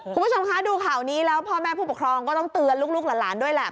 คุณผู้ชมคะดูข่าวนี้แล้วพ่อแม่ผู้ปกครองก็ต้องเตือนลูกหลานด้วยแหละ